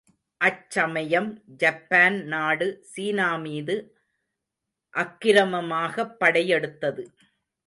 அச்சமயம் ஜப்பான் நாடு சீனாமீது அக்கிரமமாகப் படையெடுத்தது.